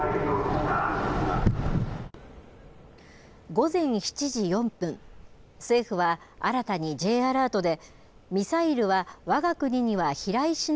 午前７時４分、政府は新たにＪアラートで。